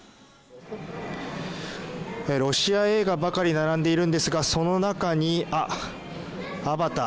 ロシア映画ばかり並んでいるんですがその中に、「アバター」。